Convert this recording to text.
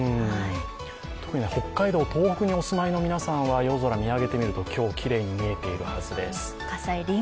特に北海道、東北にお住まいの皆さんは夜空を見上げてみると今日、きれいに見えているはずです。